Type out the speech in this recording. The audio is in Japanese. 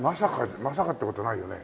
まさかって事ないよね？